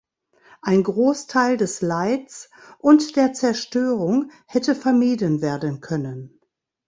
Ein Großteil des Leids und der Zerstörung hätte vermieden werden können.